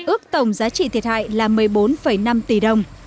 ước tổng giá trị thiệt hại là một mươi bốn năm tỷ đồng